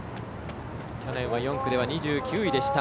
去年は４区では２９位でした。